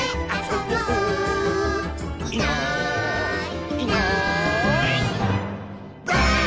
「いないいないばあっ！」